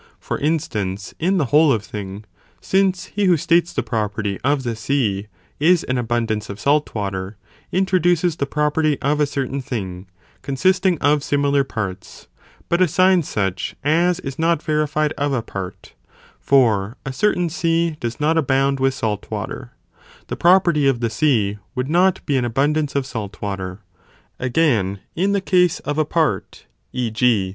For instance, in the whole of thing; since he who states the property of the sea is an abundance of salt water, introduces the property of a certain thing, consisting of similar parts, but assigns such as is not verified of a part, (for a certain sea does not abound with salt water,) the property of the sea would not be an abundance of salt water. Again, in the case of a part, e. g.